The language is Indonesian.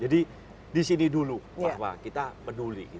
di sini dulu bahwa kita peduli